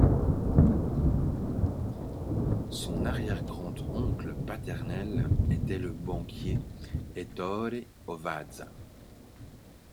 Son arrière-grand-oncle paternel était le banquier Ettore Ovazza.